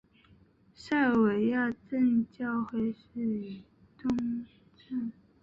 塞尔维亚正教会是与东正教自治教会完全共融的一部分。